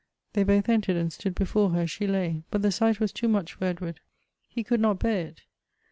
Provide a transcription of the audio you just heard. They both entered and stood before her as she lay ; but the sight was too much for Edward. He could not bear it.